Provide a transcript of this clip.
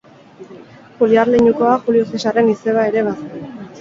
Juliar leinukoa, Julio Zesarren izeba ere bazen.